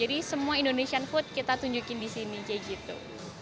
jadi semua indonesian food kita tunjukin di sini kayak gitu